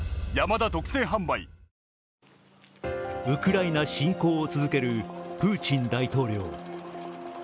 ウクライナ侵攻を続けるプーチン大統領。